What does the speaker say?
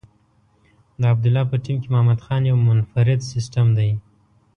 د عبدالله په ټیم کې محمد خان یو منفرد سیسټم دی.